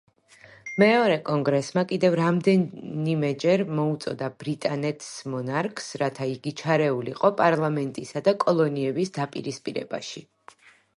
მეორე კონგრესმა კიდევ რამდენიმეჯერ მოუწოდა ბრიტანეთს მონარქს რათა იგი ჩარეულიყო პარლამენტისა და კოლონიების დაპირისპირებაში.